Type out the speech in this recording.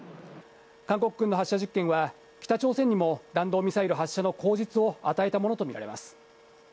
韓国軍の発射実験は、北朝鮮にも弾道ミサイル発射の口実を与えたものと見られます。